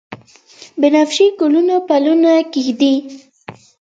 بنفشیې ګلونه پلونه کښیږدي